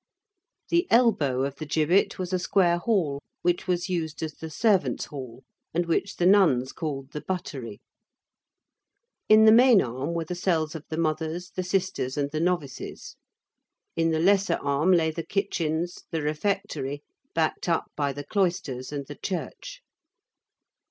The elbow of the gibbet was a square hall which was used as the servants' hall, and which the nuns called the buttery. In the main arm were the cells of the mothers, the sisters, and the novices. In the lesser arm lay the kitchens, the refectory, backed up by the cloisters and the church.